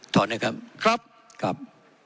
ถอนให้ครับ